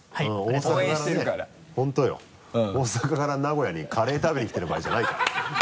大阪から名古屋にカレー食べに来てる場合じゃないからね。